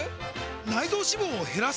内臓脂肪を減らす！？